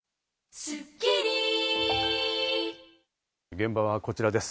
現場はこちらです。